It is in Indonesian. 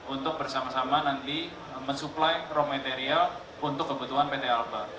untuk bersama sama nanti mensuplai raw material untuk kebutuhan pt alba